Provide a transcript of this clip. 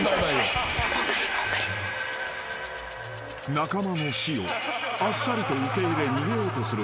［仲間の死をあっさりと受け入れ逃げようとする村重。